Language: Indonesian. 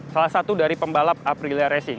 salah satu dari pembalap aprilia racing